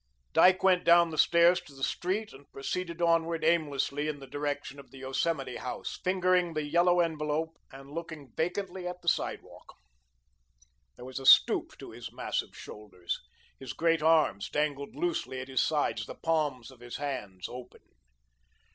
Dyke went down the stairs to the street and proceeded onward aimlessly in the direction of the Yosemite House, fingering the yellow envelope and looking vacantly at the sidewalk. There was a stoop to his massive shoulders. His great arms dangled loosely at his sides, the palms of his hands open.